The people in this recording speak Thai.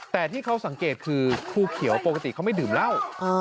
แต่ที่เขาสังเกตคือภูเขียวปกติเขาไม่ดื่มเหล้า